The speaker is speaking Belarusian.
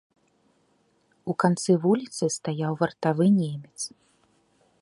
У канцы вуліцы стаяў вартавы немец.